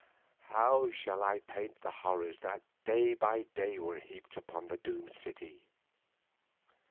How shall I paint the horrors that day by day were heaped upon the doomed city?